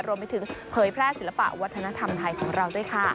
รวมไปถึงเผยแพร่ศิลปะวัฒนธรรมไทยของเราด้วยค่ะ